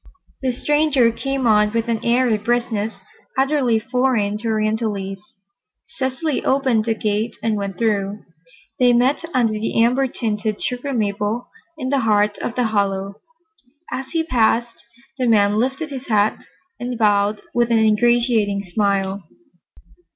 The stranger came on with an airy briskness utterly foreign to Orientalites. Cecily opened the gate and went through. They met under the amber tinted sugar maple in the heart of the hollow. As he passed, the man lifted his hat and bowed with an ingratiating smile.